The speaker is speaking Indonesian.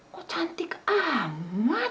kok cantik amat